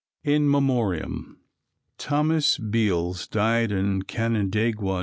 In Memoriam Thomas Beals died in Canandaigua, N.